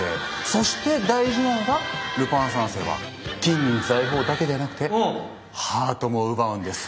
そして大事なのが、ルパン三世は金銀財宝だけではなくてハートも奪うんです。